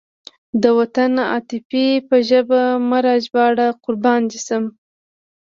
د وطن د عاطفې په ژبه مه راژباړه قربان دې شم.